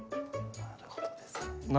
「なるほどですね」？